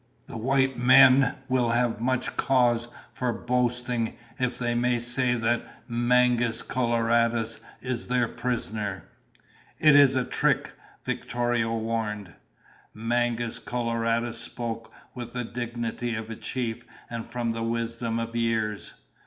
The white men will have much cause for boasting if they may say that Mangus Coloradus is their prisoner!" "It is a trick!" Victorio warned. Mangus Coloradus spoke with the dignity of a chief and from the wisdom of years.